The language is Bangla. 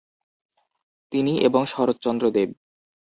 তিনি এবং শরচ্চন্দ্র দেব।